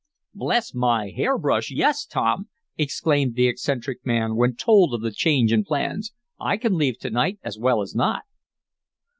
"Bless my hair brush, yes, Tom!" exclaimed the eccentric man, when told of the change in plans. "I can leave to night as well as not."